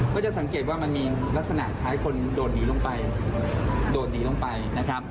ก็จะสังเกตว่ามันมีลักษณะคล้ายคนโดดหนีลงไปโดดหนีลงไปนะครับ